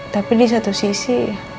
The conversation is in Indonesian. tapi di satu sisi